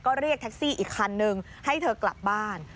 ก็เรียกแท็กซี่อีกคันนึงให้เธอกลับบ้าน